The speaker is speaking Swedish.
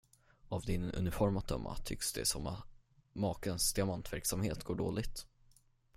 Av din uniform att dömma, tycks det som om makens diamantverksamhet går dåligt?